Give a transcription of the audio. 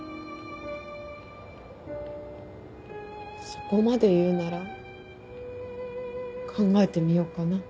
そこまで言うなら考えてみようかな。